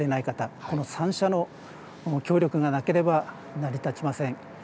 方、この三者の協力がなければ、成り立ちません。